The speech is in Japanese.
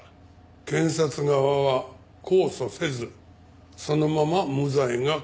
検察側は控訴せずそのまま無罪が確定した。